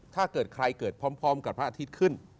ถ้าเกิดใครเกิดพร้อมกับพระอาทิตย์ขึ้น